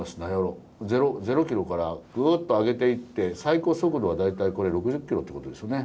ゼロキロからぐっと上げていって最高速度は大体これ６０キロってことですよね。